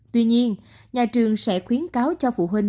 tuy nhiên nhà trường sẽ khuyến cáo cho phụ huynh